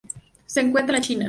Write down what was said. Se encuentra en la China